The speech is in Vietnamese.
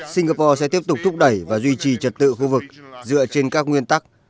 singapore sẽ tiếp tục thúc đẩy và duy trì trật tự khu vực dựa trên các nguyên tắc